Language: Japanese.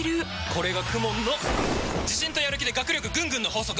これがＫＵＭＯＮの自信とやる気で学力ぐんぐんの法則！